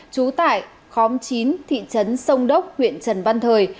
trú tại khóm chín thị trấn sông đốc huyện trần văn thời